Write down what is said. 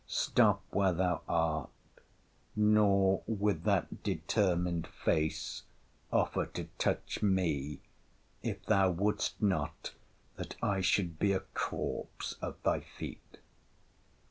—Stop where thou art!—nor, with that determined face, offer to touch me, if thou wouldst not that I should be a corps at thy feet!